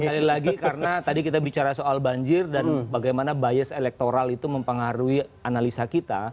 sekali lagi karena tadi kita bicara soal banjir dan bagaimana bias elektoral itu mempengaruhi analisa kita